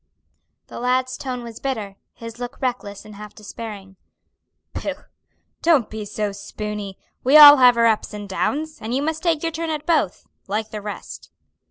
The lad's tone was bitter, his look reckless and half despairing. "Pooh, don't be a spooney! We all have our ups and downs, and you must take your turn at both, like the rest."